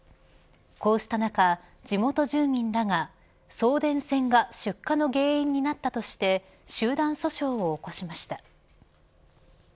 こうした中、地元住民らが送電線が出火の原因になったとして集団訴訟を起こしました。